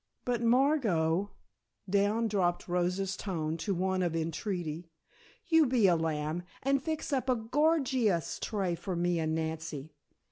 But, Margot," down dropped Rosa's tone to one of entreaty, "you be a lamb, and fix up a gor gee ous tray for me and Nancy.